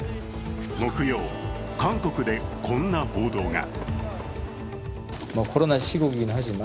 木曜、韓国でこんな報道が。